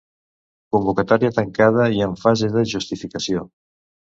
Convocatòria tancada i en fase de justificació.